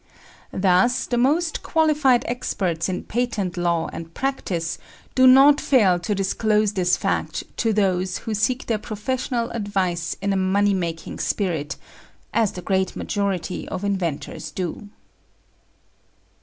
Thus the most qualified experts in patent law and practice do not fail to disclose this fact to those who seek their professional advice in a money making spirit, as the great majority of inventors do.